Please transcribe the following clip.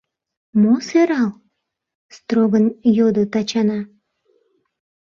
— Мо сӧрал? — строгын йодо Тачана.